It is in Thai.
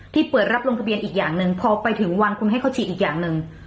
เปิดรับลงทะเบียนอีกอย่างหนึ่งพอไปถึงวันคุณให้เขาฉีดอีกอย่างหนึ่ง